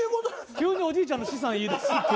急におじいちゃんの資産言いだすっていう。